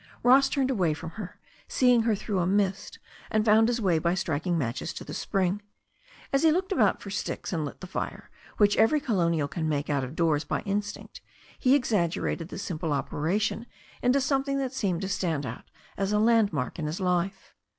Ross turned away from her, seeing her through a mist, and found his way by striking matches to the spring. As he looked about for sticks and lit the fire, which every colonial can make out of doors by instinct, he exaggerated the simple operation into something that seemed to stand out as a landmark in his life.